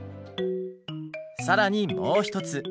更にもう一つ。